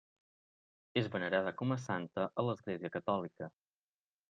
És venerada com a santa a l'Església catòlica.